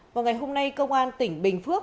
vào ngày hôm nay công an tỉnh bình phước